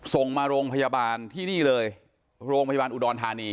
ส่งมาโรงพยาบาลที่นี่เลยโรงพยาบาลอุดรธานี